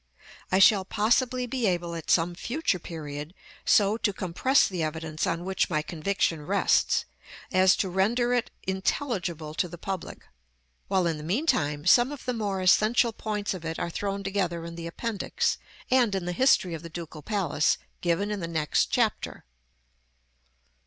I shall possibly be able at some future period so to compress the evidence on which my conviction rests, as to render it intelligible to the public, while, in the meantime, some of the more essential points of it are thrown together in the Appendix, and in the history of the Ducal Palace given in the next chapter.